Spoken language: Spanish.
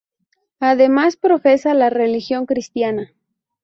Además profesa la religión cristiana.